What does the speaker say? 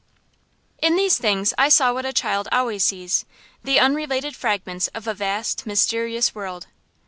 In these things I saw what a child always sees: the unrelated fragments of a vast, mysterious world.